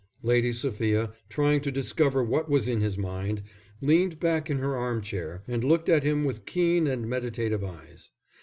Lady Sophia, trying to discover what was in his mind, leaned back in her arm chair and looked at him with keen and meditative eyes.